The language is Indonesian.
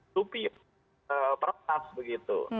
supi peretas begitu